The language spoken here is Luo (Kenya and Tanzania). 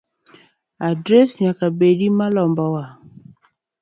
Adres nyaka bedi malombo wang